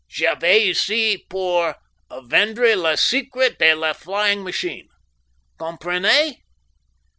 J'avais ici pour vendre le secret de le flying machine. Comprenez?